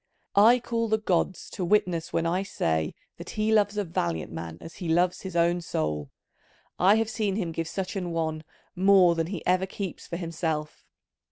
I call the gods to witness when I say that he loves a valiant man as he loves his own soul: I have seen him give such an one more than he ever keeps for himself.